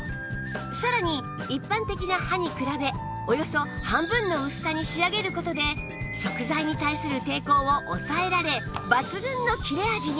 さらに一般的な刃に比べおよそ半分の薄さに仕上げる事で食材に対する抵抗を抑えられ抜群の切れ味に